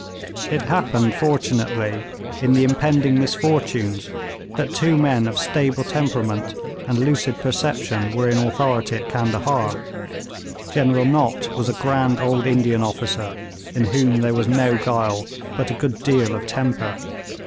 It happened fortunately, in the impending misfortunes, that two men of stable temperament and lucid perception were in authority at Candahar. General Nott was a grand old Indian officer, in whom there was no guile, but a good deal of temper.